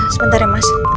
sebentar ya mas